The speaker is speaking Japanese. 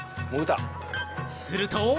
すると。